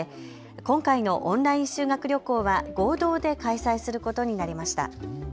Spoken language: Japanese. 今回のオンライン修学旅行は合同で開催することになりました。